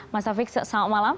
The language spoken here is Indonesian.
mas taufik selamat malam